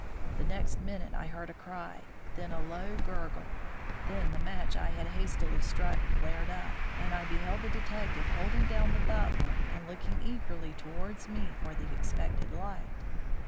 The next minute I heard a cry, then a low gurgle; then the match I had hastily struck flared up, and I beheld the detective holding down the butler and looking eagerly towards me for the expected light.